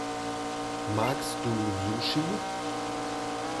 Magst du Sushi?